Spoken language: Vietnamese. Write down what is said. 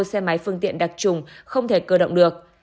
xe máy phương tiện đặc trùng không thể cơ động được